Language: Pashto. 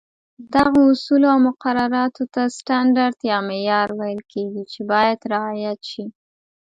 دغو اصولو او مقرراتو ته سټنډرډ یا معیار ویل کېږي، چې باید رعایت شي.